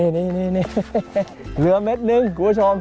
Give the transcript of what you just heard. นี่เหลือเม็ดนึงคุณผู้ชม